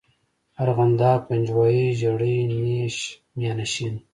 ارغنداب، پنجوائی، ژړی، نیش، میانشین.